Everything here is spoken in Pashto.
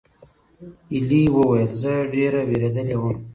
ایلي وویل: "زه ډېره وېرېدلې وم."